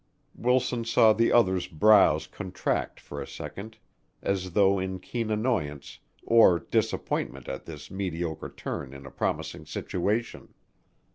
Wilson saw the other's brows contract for a second as though in keen annoyance or disappointment at this mediocre turn in a promising situation.